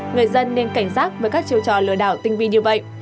người dân nên cảnh giác với các chiêu trò lừa đảo tinh vi như vậy